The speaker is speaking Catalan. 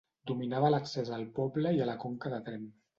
Dominava l'accés al poble i a la Conca de Tremp.